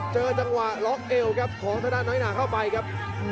เจอจังหวะล็อกเอวครับของทางด้านน้อยหนาเข้าไปครับ